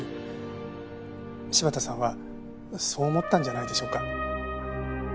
柴田さんはそう思ったんじゃないでしょうか。